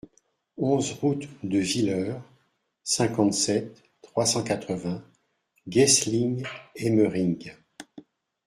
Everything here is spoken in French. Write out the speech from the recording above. onze route de Viller, cinquante-sept, trois cent quatre-vingts, Guessling-Hémering